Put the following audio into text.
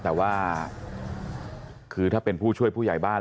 แต่ว่าคือถ้าเป็นผู้ช่วยผู้ใหญ่บ้าน